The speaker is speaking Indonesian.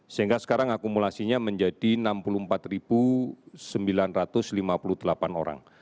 sehingga sekarang akumulasinya menjadi enam puluh empat sembilan ratus lima puluh delapan orang